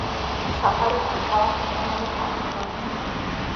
سفر کوتاه هنگام تعطیلات